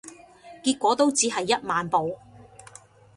結果都只係一萬步